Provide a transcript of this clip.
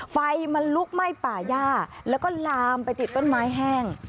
ไฟมันลุกไหม้ป่าย่าแล้วก็ลามไปติดต้นไม้แห้ง